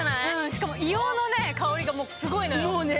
しかも、硫黄の香りがすごいのよ。